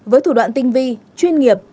với thủ đoạn tinh vi chuyên nghiệp